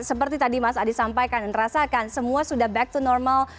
seperti tadi mas adi sampaikan dan rasakan semua sudah back to normal